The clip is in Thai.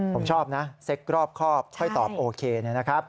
ผมชอบนะเซ็กรอบครอบค่อยตอบโอเคนะครับ